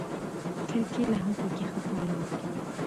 کرکېله هم پکې ښه پایله ورکوي.